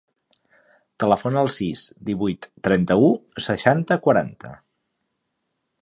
Telefona al sis, divuit, trenta-u, seixanta, quaranta.